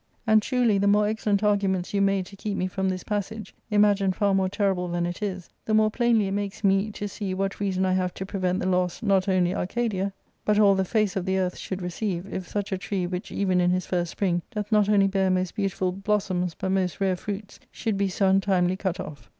And truly the more excellent arguments you made to keep me from this passage, imagined far more terrible than it is, the more plainly it makes me to see what reason I have to prevent the loss not only Arcadia, but all the face of the earth should receive, if such a tree, which even in his first spring doth not only bear most beautiful blossoms, but most rare fruits, should be so untimely cut off.